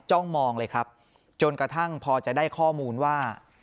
จ้องมองเลยครับจนกระทั่งพอจะได้ข้อมูลว่า